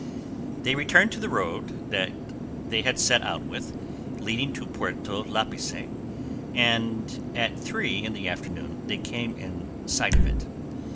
They returned to the road they had set out with, leading to Puerto Lapice, and at three in the afternoon they came in sight of it.